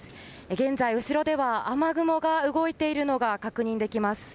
現在、後ろでは雨雲が動いているのが確認できます。